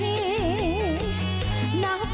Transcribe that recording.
เตรียมพับกรอบ